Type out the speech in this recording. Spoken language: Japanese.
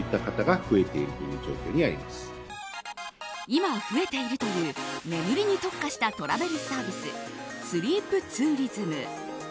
今増えているという眠りに特化したトラベルサービススリープツーリズム。